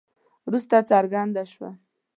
وروسته څرګنده شوه.